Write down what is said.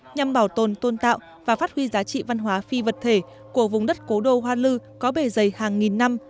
nhằm bảo tồn tôn tạo và phát huy giá trị văn hóa phi vật thể của vùng đất cố đô hoa lư có bề dày hàng nghìn năm